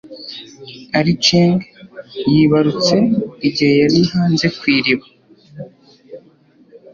archieg yibarutse igihe yari hanze ku iriba